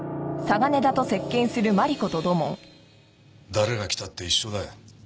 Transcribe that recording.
誰が来たって一緒だよ。